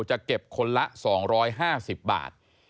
จะเก็บคนละ๒๕๐บาท